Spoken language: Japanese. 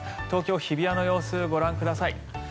東京・日比谷の様子ご覧ください。